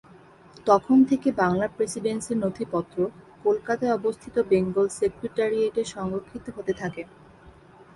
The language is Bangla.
তখন থেকে বাংলা প্রেসিডেন্সির নথিপত্র কলকাতায় অবস্থিত বেঙ্গল সেক্রেটারিয়েটে সংরক্ষিত হতে থাকে।